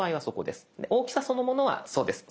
で大きさそのものはそうです。